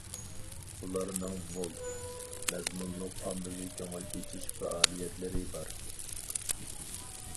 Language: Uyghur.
ئۇلارنىڭ مول مەزمۇنلۇق ئاممىۋى كۆڭۈل ئېچىش پائالىيەتلىرى بار.